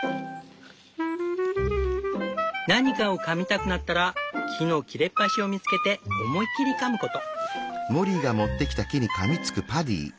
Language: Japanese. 「何かを噛みたくなったら木の切れっ端を見つけて思いっきり噛むこと」。